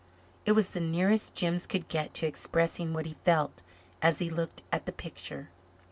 It was the nearest Jims could get to expressing what he felt as he looked at the picture.